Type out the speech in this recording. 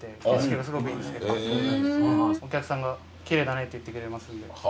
お客さんが「奇麗だね」って言ってくれますんで。